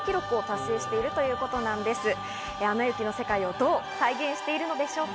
『アナ雪』の世界をどう再現しているんでしょうか？